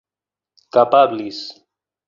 kapablis